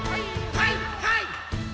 はいはい！